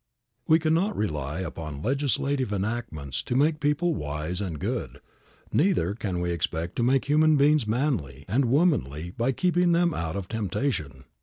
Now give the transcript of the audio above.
We cannot rely upon legislative enactments to make people wise and good; neither can we expect to make human beings manly and womanly by keeping them out of temptation.